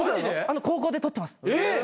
高校で取ってます。